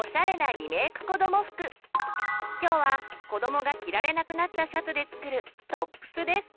今日はこどもが着られなくなったシャツで作る「トップス」です。